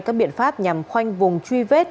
các biện pháp nhằm khoanh vùng truy vết